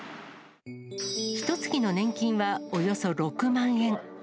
ひとつきの年金はおよそ６万円。